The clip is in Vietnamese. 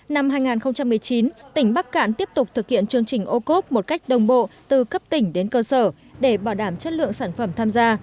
năm hai nghìn một mươi chín tỉnh bắc cạn tiếp tục thực hiện chương trình ô cốp một cách đồng bộ từ cấp tỉnh đến cơ sở để bảo đảm chất lượng sản phẩm tham gia